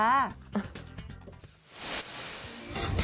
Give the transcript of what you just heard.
กูค่ะ